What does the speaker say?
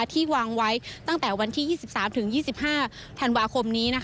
ที่วางไว้ตั้งแต่วันที่๒๓๒๕ธันวาคมนี้